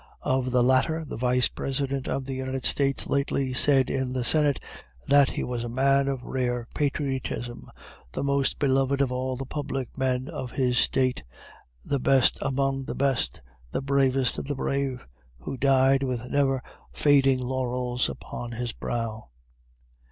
Of the latter, the Vice President of the United States lately said in the Senate, that he was a man "of rare patriotism the most beloved of all the public men of his State the best among the best 'the bravest of the brave' who died with never fading laurels upon his brow."